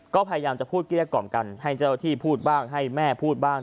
ก็พยายามจะพูดกลี้ยะก่อนกันห้ายเจ้าหน้าที่พูดบ้างห้ายแม่พูดบ้าง